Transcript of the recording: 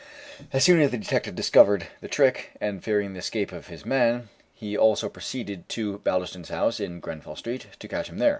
As soon as the detective discovered the trick, and fearing the escape of his man, he also proceeded to Baldiston's house in Grenfell street, to catch him there.